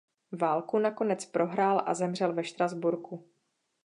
Válku nakonec prohrál a zemřel ve Štrasburku.